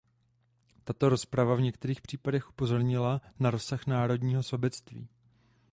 Tato rozprava v některých případech upozornila na rozsah národního sobectví.